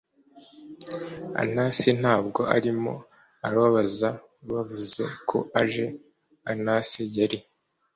anasi ntabwo arimo? arababaza. bavuze ko aje. anasi yari